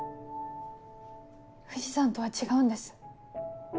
藤さんとは違うんです。